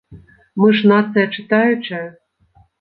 Мы ж нацыя чытаючая?